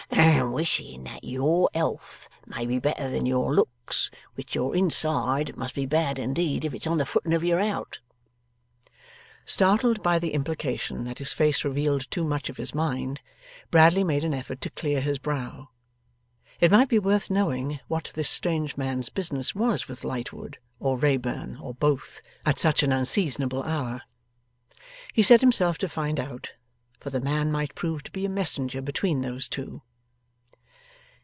And wishing that your elth may be better than your looks, which your inside must be bad indeed if it's on the footing of your out.' Startled by the implication that his face revealed too much of his mind, Bradley made an effort to clear his brow. It might be worth knowing what this strange man's business was with Lightwood, or Wrayburn, or both, at such an unseasonable hour. He set himself to find out, for the man might prove to be a messenger between those two.